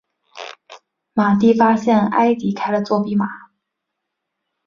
马蒂发现埃迪开了作弊码。